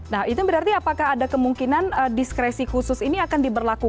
nah itu berarti apakah ada kemungkinan diskresi khusus ini akan diberlakukan